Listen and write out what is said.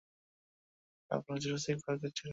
আপনারা জুরাসিক পার্কে ছিলেন।